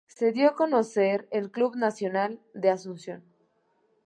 Se dio a conocer en el Club Nacional de Asunción.